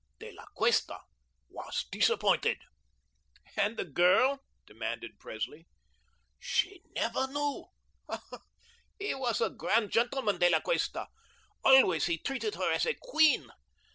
De La Cuesta was disappointed." "And the girl?" demanded Presley. "She never knew. Ah, he was a grand gentleman, De La Cuesta. Always he treated her as a queen.